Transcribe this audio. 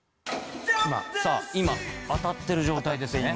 さあ今当たっている状態ですね。